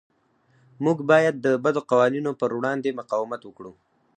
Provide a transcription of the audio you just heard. موږ باید د بدو قوانینو پر وړاندې مقاومت وکړو.